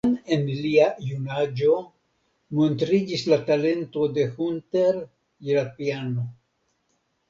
Jam en lia junaĝo montriĝis la talento de Hunter je la piano.